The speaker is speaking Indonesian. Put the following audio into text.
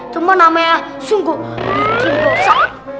cuma namanya sungguh bikin dosa